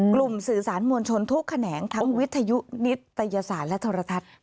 กลุ่มสื่อสารมวลชนทุกแขนงทั้งวิทยุนิตยสารและธรรทัศน์